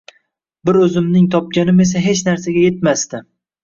Bir o`zimning topganim esa hech narsaga etmasdi